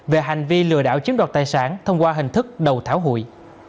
về hành vi lừa đảo chiếm đoạt tài sản thông qua hình thức đầu thảo hụi